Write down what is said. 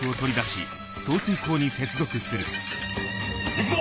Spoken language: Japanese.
行くぞ！